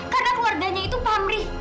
karena keluarganya itu pamrih